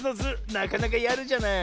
なかなかやるじゃない。